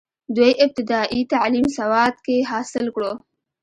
دوي ابتدائي تعليم سوات کښې حاصل کړو،